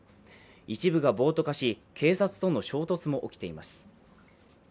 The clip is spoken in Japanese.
一部が暴徒化し、警察との衝突も起きています。